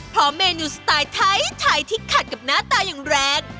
เมนูสไตล์ไทยที่ขัดกับหน้าตาอย่างแรง